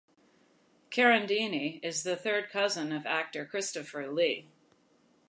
Carandini is the third cousin of actor Christopher Lee.